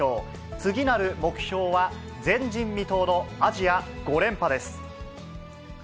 次なる目標は、前人未到のアジア５連覇です。